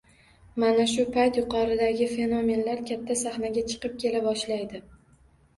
Mana shu payt, yuqoridagi fenomenlar katta sahnaga chiqib kela boshlaydi.